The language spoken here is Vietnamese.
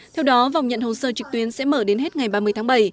theo đó vòng nhận hồ sơ trực tuyến sẽ mở đến hết ngày ba mươi tháng bảy